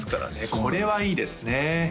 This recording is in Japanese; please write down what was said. これはいいですね